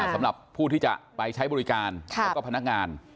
สำหรับผู้ที่จะไปใช้บริการแล้วก็พนักงาน